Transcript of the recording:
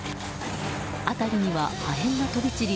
辺りには破片が飛び散り